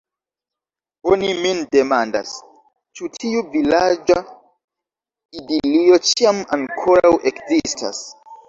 Oni min demandas, ĉu tiu vilaĝa idilio ĉiam ankoraŭ ekzistas.